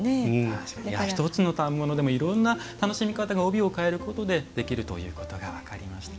１つの反物でもいろんな楽しみ方が帯を変えることでできるということでした。